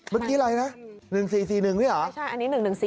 เมื่อกี้อะไรนะ๑๔๔๑ใช่ไหม